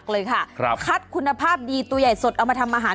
เลยค่ะครับคัดคุณภาพดีตัวใหญ่สดเอามาทำอาหาร